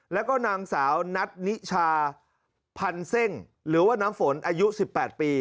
แล้วก็นางสาวนัทนิชาพันเซ่งหรือว่าน้ำฝนอายุ๑๘ปี